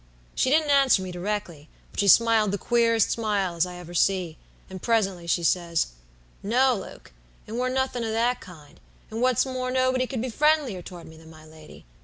"She didn't answer me directly, but she smiled the queerest smile as ever I see, and presently she says: "No, Luke, it weren't nothin' o' that kind; and what's more, nobody could be friendlier toward me than my lady.